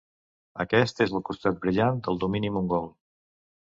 Aquest és el costat brillant del domini mongol.